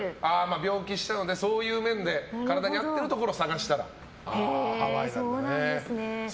病気したのでそういう面で体に合っているところを探したらハワイだったと。